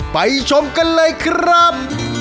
ชมกันเลยครับ